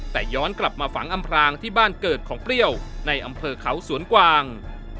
แต่ย้อนกลับมาฝังอำพรางที่บ้านเกิดของเปรี้ยวในอำเภอเขาสวนกวาง